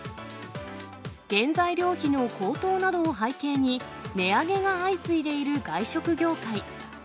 原材料費の高騰などを背景に、値上げが相次いでいる外食業界。